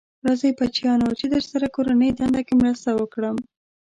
راځی بچیانو چې درسره کورنۍ دنده کې مرسته وکړم.